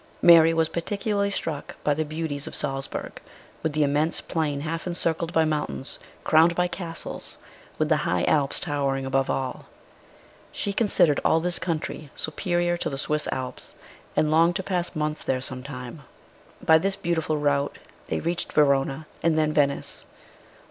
Mary was particularly struck by the beauties of Salz burg with the immense plain half encircled by 15 226 MRS. SHELLEY. mountains crowned by castles, with the high Alps towering above all. She considered all this country superior to the Swiss Alps, and longed to pass months there some time. By this beautiful route they reached Verona, and then Venice.